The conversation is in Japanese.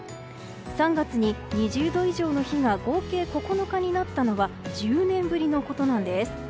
３月に２０度以上の日が合計９日になったのは１０年ぶりのことなんです。